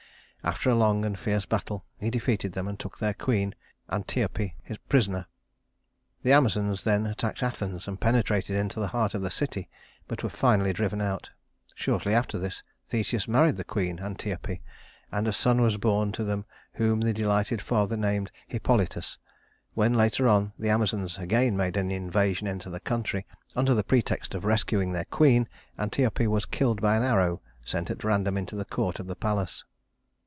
After a long and fierce battle he defeated them and took their queen, Antiope, prisoner. The Amazons then attacked Athens, and penetrated into the heart of the city, but were finally driven out. Shortly after this Theseus married the queen, Antiope, and a son was born to them whom the delighted father named Hippolytus. When, later on, the Amazons again made an invasion into the country under the pretext of rescuing their queen, Antiope was killed by an arrow sent at random into the court of the palace.